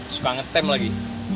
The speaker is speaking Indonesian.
suka ngetem lagi